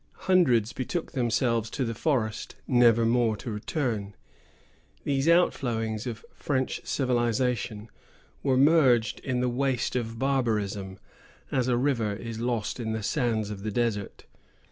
Hundreds betook themselves to the forest, never more to return. These outflowings of French civilization were merged in the waste of barbarism, as a river is lost in the sands of the desert.